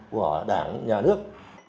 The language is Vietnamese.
của đại hội